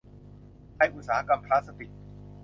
ไทยอุตสาหกรรมพลาสติก